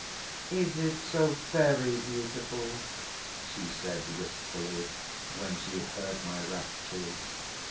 "Is it so very beautiful?" she said wistfully when she heard my raptures.